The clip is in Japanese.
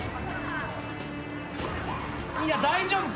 いや大丈夫か？